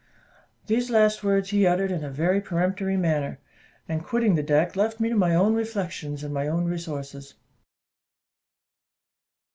These last words he uttered in a very peremptory manner, and, quitting the deck, left me to my own reflections and my own resources.